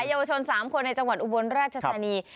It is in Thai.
เยาวชน๓คนในจังหวัดอุบลราชธานี